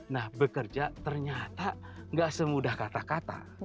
nah bekerja ternyata gak semudah kata kata